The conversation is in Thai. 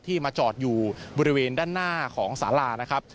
มาจอดอยู่บริเวณด้านหน้าของสารานะครับ